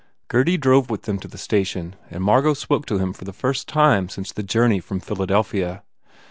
Gurdy drove with them to the station and Margot spoke to him for the first time since the journey from Philadelphia.